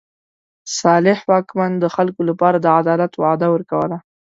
صالح واکمن د خلکو لپاره د عدالت وعده ورکوله.